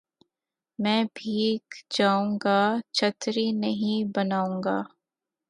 میں بھیگ جاؤں گا چھتری نہیں بناؤں گا